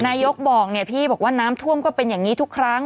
นายกบอกเนี่ยพี่บอกว่าน้ำท่วมก็เป็นอย่างนี้ทุกครั้ง